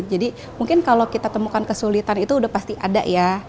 jadi mungkin kalau kita temukan kesulitan itu udah pasti ada ya